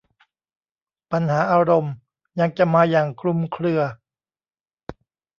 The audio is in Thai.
ปัญหาอารมณ์ยังจะมาอย่างคลุมเครือ